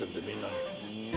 みんなに。